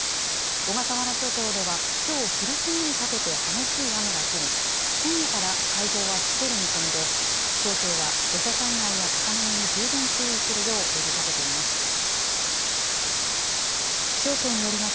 小笠原諸島ではきょう昼過ぎにかけて激しい雨が降り、今夜から海上はしける見込みで、気象庁は土砂災害や高波に十分注意するよう呼びかけています。